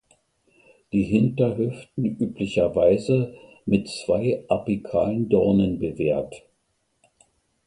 Die Hinterhüften üblicherweise mit zwei apikalen Dornen bewehrt.